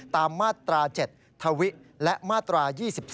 ตามมาตรา๗ทวิและมาตรา๒๒